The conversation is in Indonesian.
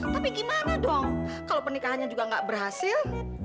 tapi gimana dong kalau pernikahannya juga gak berhasil